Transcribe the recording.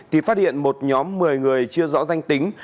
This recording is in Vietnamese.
thì phát hiện một nhóm một mươi người chưa rõ danh tính